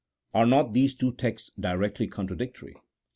Are not these two texts directly contradictory?